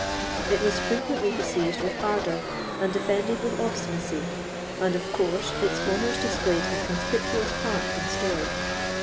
It was frequently beseiged with ardour, and defended with obstinacy, and, of course, its owners played a conspicuous part in story.